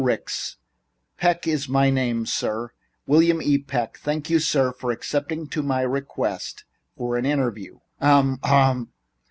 Ricks, Peck is my name, sir William E. Peck. Thank you, sir, for acceding to my request for an interview." "Ahem! Hum m m!"